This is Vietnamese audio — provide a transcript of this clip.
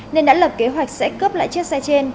nên đã lập kế hoạch sẽ cướp lại chiếc xe trên